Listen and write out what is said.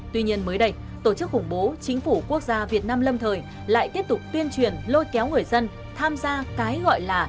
tuy nhiên mới đây tổ chức khủng bố chính phủ quốc gia việt nam lâm thời lại tiếp tục tuyên truyền lôi kéo người dân tham gia cái gọi là